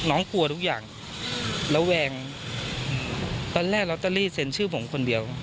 กลัวทุกอย่างระแวงตอนแรกลอตเตอรี่เซ็นชื่อผมคนเดียว